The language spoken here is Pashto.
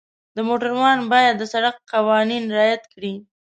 د موټروان باید د سړک قوانین رعایت کړي.